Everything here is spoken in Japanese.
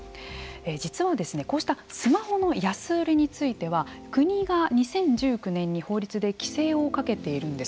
実はですねこうしたスマホの安売りについては国が２０１９年に法律で規制をかけているんです。